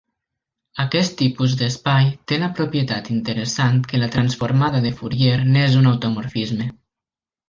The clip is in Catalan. Aquest tipus d'espai té la propietat interessant que la transformada de Fourier n'és un automorfisme.